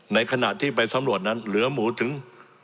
ในขณะที่ไปสำรวจนั้นเหลือหมูถึง